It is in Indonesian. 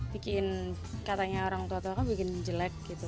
bikin katanya orang tua tua kan bikin jelek gitu